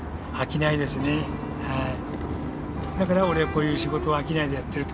だから俺はこういう仕事を飽きないでやってると。